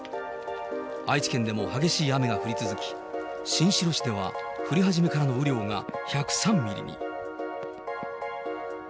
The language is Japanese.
愛知県でも激しい雨が降り続き、新城市では降り始めからの雨量が１０３ミリに。